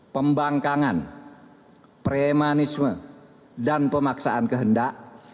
pembangkangan premanisme dan pemaksaan kehendak